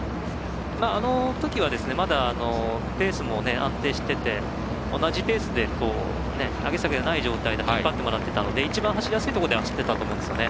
あのときはまだペースも安定していて同じペースで上げ下げのない状態で引っ張ってもらってたので一番走りやすいところで走ってたんですよね。